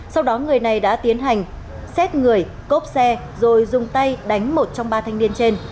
sau đó người này đã tiến hành xét người cốp xe rồi dùng tay đánh một trong ba thanh niên trên